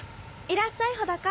いらっしゃい帆高。